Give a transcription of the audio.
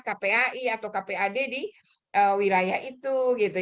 kpai atau kpad di wilayah itu gitu